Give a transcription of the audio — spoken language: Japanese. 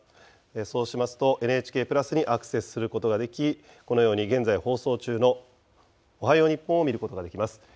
そうしますと、ＮＨＫプラスにアクセスすることができ、このように現在、放送中のおはよう日本を見ることができます。